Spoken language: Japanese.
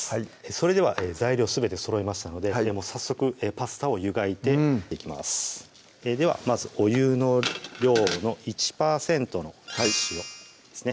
それでは材料すべてそろいましたのでではもう早速パスタを湯がいていきますではまずお湯の量の１％の塩ですね